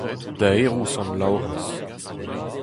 Daeroù sant Laorañs.